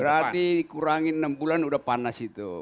berarti kurangin enam bulan udah panas itu